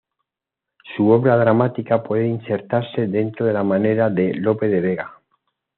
Su obra dramática puede insertarse dentro de la manera de Lope de Vega.